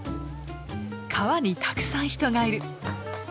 川にたくさん人がいる。